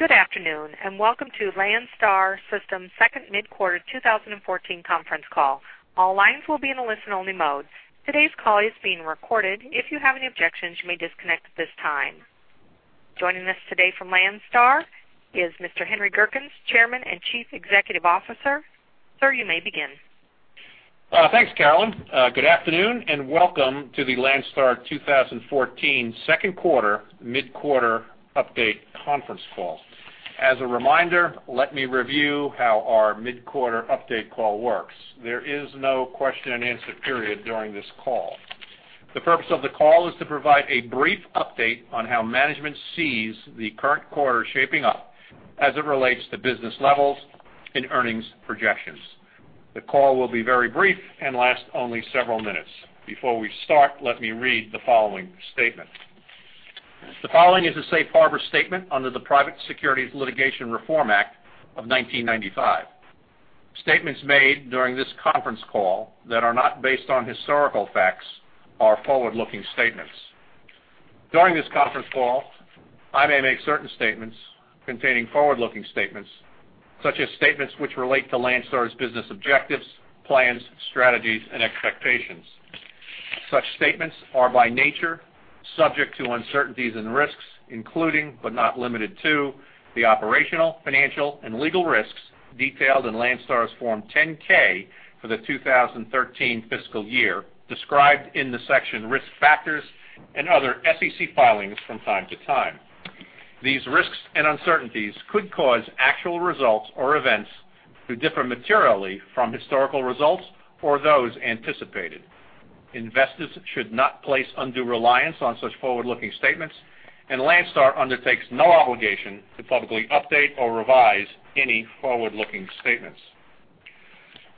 Good afternoon, and welcome to Landstar System's second mid-quarter 2014 conference call. All lines will be in a listen-only mode. Today's call is being recorded. If you have any objections, you may disconnect at this time. Joining us today from Landstar is Mr. Henry Gerkens, Chairman and Chief Executive Officer. Sir, you may begin. Thanks, Carolyn. Good afternoon, and welcome to the Landstar 2014 Q2 mid-quarter update conference call. As a reminder, let me review how our mid-quarter update call works. There is no question-and-answer period during this call. The purpose of the call is to provide a brief update on how management sees the current quarter shaping up as it relates to business levels and earnings projections. The call will be very brief and last only several minutes. Before we start, let me read the following statement. The following is a safe harbor statement under the Private Securities Litigation Reform Act of 1995. Statements made during this conference call that are not based on historical facts are forward-looking statements. During this conference call, I may make certain statements containing forward-looking statements, such as statements which relate to Landstar's business objectives, plans, strategies, and expectations. Such statements are, by nature, subject to uncertainties and risks, including but not limited to, the operational, financial, and legal risks detailed in Landstar's Form 10-K for the 2013 fiscal year, described in the section Risk Factors and other SEC filings from time to time. These risks and uncertainties could cause actual results or events to differ materially from historical results or those anticipated. Investors should not place undue reliance on such forward-looking statements, and Landstar undertakes no obligation to publicly update or revise any forward-looking statements.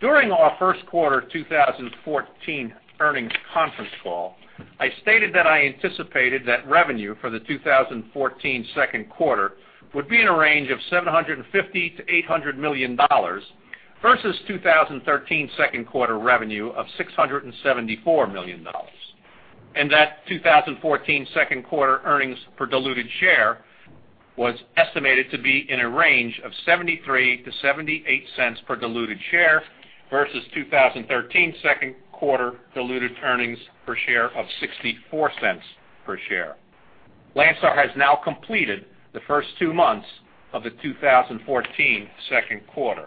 During our Q1 2014 earnings conference call, I stated that I anticipated that revenue for the 2014 Q2 would be in a range of $750 million-$800 million versus 2013 Q2 revenue of $674 million, and that 2014 Q2 earnings per diluted share was estimated to be in a range of 73-78 cents per diluted share versus 2013 Q2 diluted earnings per share of 64 cents per share. Landstar has now completed the first two months of the 2014 Q2.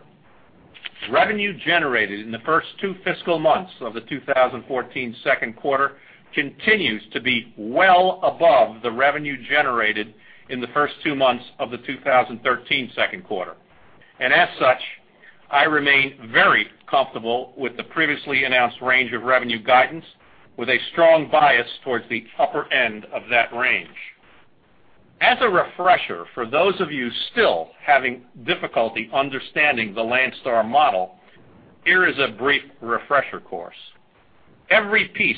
Revenue generated in the first two fiscal months of the 2014 Q2 continues to be well above the revenue generated in the first two months of the 2013 Q2, and as such, I remain very comfortable with the previously announced range of revenue guidance, with a strong bias towards the upper end of that range. As a refresher, for those of you still having difficulty understanding the Landstar model, here is a brief refresher course. Every piece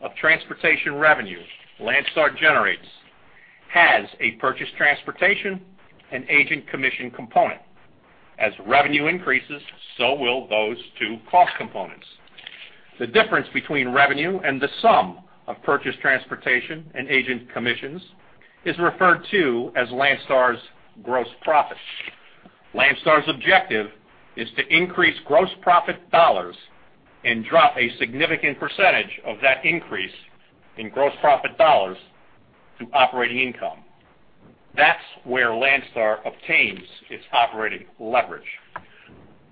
of transportation revenue Landstar generates has a purchased transportation and agent commission component. As revenue increases, so will those two cost components. The difference between revenue and the sum of purchased transportation and agent commissions is referred to as Landstar's gross profit. Landstar's objective is to increase gross profit dollars and drop a significant percentage of that increase in gross profit dollars to operating income. That's where Landstar obtains its operating leverage.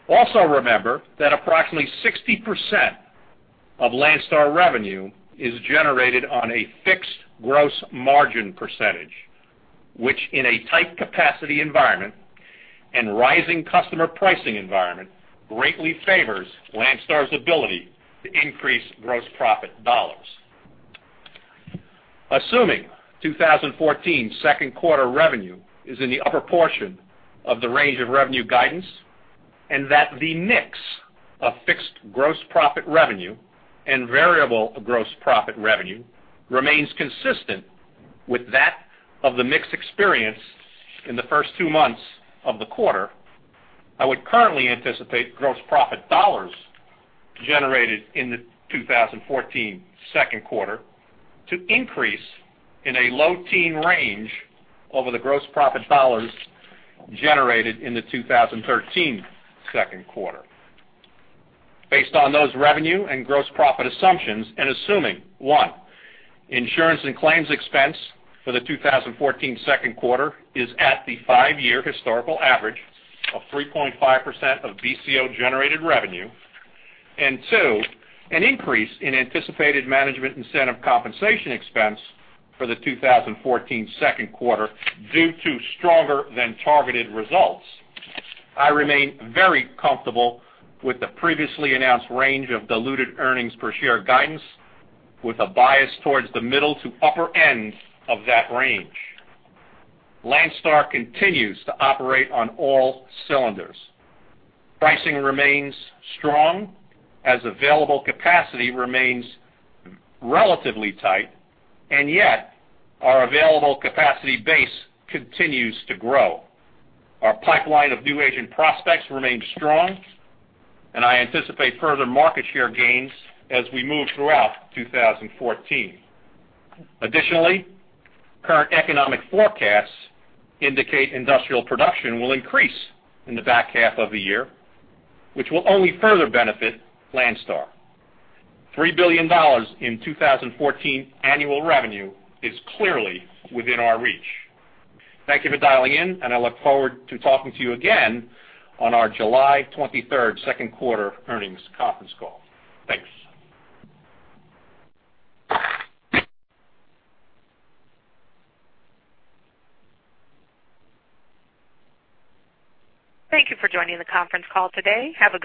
Also remember that approximately 60% of Landstar revenue is generated on a fixed gross margin percentage, which in a tight capacity environment and rising customer pricing environment, greatly favors Landstar's ability to increase gross profit dollars. Assuming 2014 Q2 revenue is in the upper portion of the range of revenue guidance, and that the mix of fixed gross profit revenue and variable gross profit revenue remains consistent with that of the mix experienced in the first two months of the quarter, I would currently anticipate gross profit dollars generated in the 2014 Q2 to increase in a low-teen range over the gross profit dollars generated in the 2013 Q2. Based on those revenue and gross profit assumptions, and assuming, 1, insurance and claims expense for the 2014 Q2 is at the 5-year historical average of 3.5% of BCO-generated revenue, and 2, an increase in anticipated management incentive compensation expense for the 2014 Q2 due to stronger than targeted results, I remain very comfortable with the previously announced range of diluted earnings per share guidance, with a bias towards the middle to upper end of that range. Landstar continues to operate on all cylinders. Pricing remains strong as available capacity remains relatively tight, and yet our available capacity base continues to grow. Our pipeline of new agent prospects remains strong, and I anticipate further market share gains as we move throughout 2014. Additionally, current economic forecasts indicate industrial production will increase in the back half of the year, which will only further benefit Landstar. $3 billion in 2014 annual revenue is clearly within our reach. Thank you for dialing in, and I look forward to talking to you again on our July 23 Q2 earnings conference call. Thanks. Thank you for joining the conference call today. Have a good day.